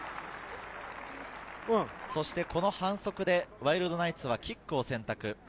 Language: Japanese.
この反則でワイルドナイツはキックを選択。